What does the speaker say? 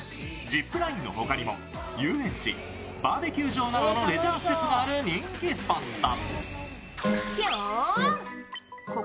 ジップラインのほかにも遊園地バーベキュー場などのレジャー施設がある人気スポット。